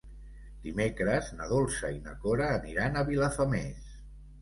Dimecres na Dolça i na Cora aniran a Vilafamés.